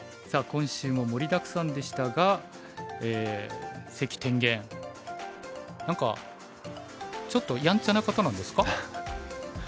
さあ今週も盛りだくさんでしたが関天元何かちょっとやんちゃな方なんですか？